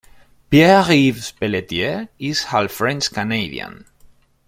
Pierre-Yves Pelletier is half French Canadian.